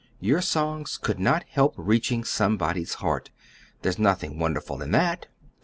Your songs could not help reaching somebody's heart. There's nothing wonderful in that."